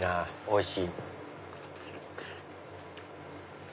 おいしい。